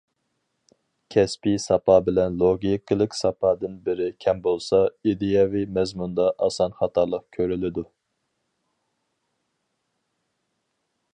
كەسپىي ساپا بىلەن لوگىكىلىق ساپادىن بىرى كەم بولسا، ئىدىيەۋى مەزمۇندا ئاسان خاتالىق كۆرۈلىدۇ.